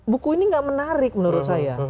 buku ini gak menarik menurut saya